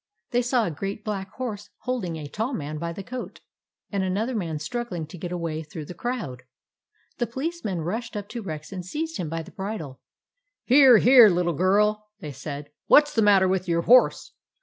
They saw a great black horse holding a tall man by the coat, and another man struggling to get away through the crowd. The policemen rushed up to Rex and seized him by the bridle. " Here, here, little girl," they said ;" what s the matter with your horse